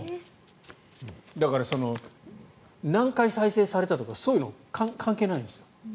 だから、何回再生されたとかそういうの関係ないんですよ。